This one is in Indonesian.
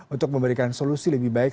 untuk memberikan solusi lebih baik